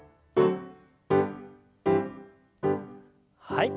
はい。